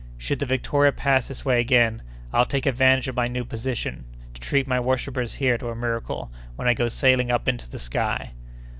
Should the Victoria pass this way again, I'll take advantage of my new position to treat my worshippers here to a miracle when I go sailing up into the sky!"